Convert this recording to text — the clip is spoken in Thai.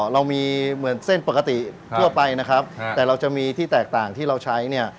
เรามีเหมือนเส้นปกติทั่วไปนะครับแต่เราจะมีที่แตกต่างที่เราใช้เนี่ย